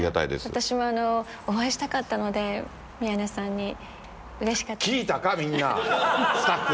私もお会いしたかったので、宮根さんに、うれしかったです。